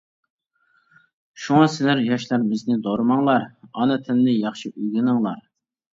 شۇڭا سىلەر ياشلار بىزنى دورىماڭلار، ئانا تىلنى ياخشى ئۆگىنىڭلار.